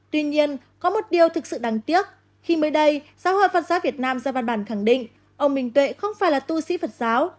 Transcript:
tuy nhiên có một điều thực sự đáng tiếc khi mới đây giáo hội phật giáo việt nam ra văn bản khẳng định ông minh tuệ không phải là tu sĩ phật giáo